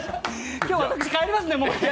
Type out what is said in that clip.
今日、私、帰りますんで。